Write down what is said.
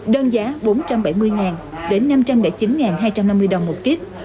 đơn giá bốn trăm bảy mươi đến năm trăm linh chín hai trăm năm mươi đồng một kiếp